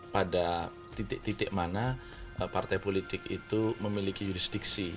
pada titik titik mana partai politik itu memiliki jurisdiksi